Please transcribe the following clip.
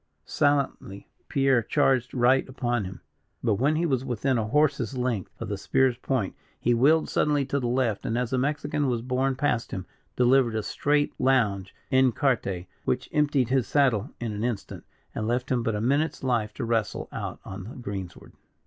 Silently Pierre charged right upon him; but, when he was within a horse's length of the spear's point, he wheeled suddenly to the left, and as the Mexican was borne past him, delivered a straight lounge, en carte, which emptied his saddle in an instant, and left him but a minute's life to wrestle out on the greensward.